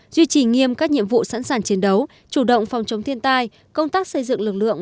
duy trì nghiêm các nhiệm vụ sẵn sàng chiến đấu chủ động phòng chống thiên tai công tác xây dựng lực lượng